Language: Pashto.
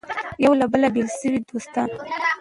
یو له بله بېلېدل سوه د دوستانو